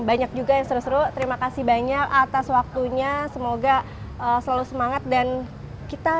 banyak juga yang seru seru terima kasih banyak atas waktunya semoga selalu semangat dan kita